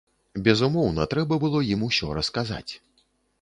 Безумоўна, трэба было ім усё расказаць.